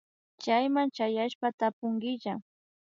Chayman chayashpa tapunkilla